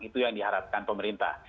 itu yang diharapkan pemerintah